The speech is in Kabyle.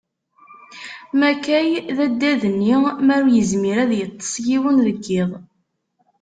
Makay, d addad-nni m'ara ur yezmir ad yeṭṭes yiwen deg iḍ.